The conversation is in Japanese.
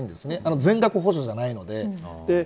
全額補助じゃないので。